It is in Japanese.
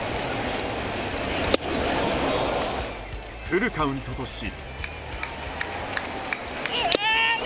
フルカウントとし。